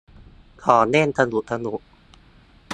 ของเล่นสนุกสนุก